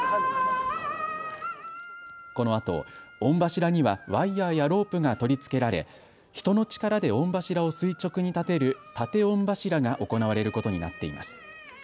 このあと御柱にはワイヤーやロープが取り付けられ人の力で御柱を垂直に建てる建御柱が行われることになっています。